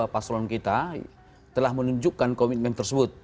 paslon kita telah menunjukkan komitmen tersebut